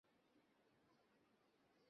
মুহাম্মাদ একদিন বলেছিল, আমি তাঁর হাতে নিহত হব।